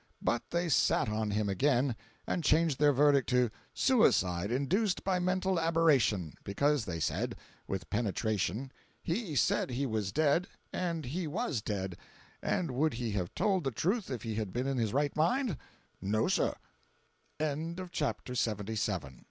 But they sat on him again, and changed their verdict to "suicide induced by mental aberration"—because, said they, with penetration, "he said he was dead, and he was dead; and would he have told the truth if he had been in his right mi